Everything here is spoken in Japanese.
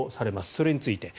それについて。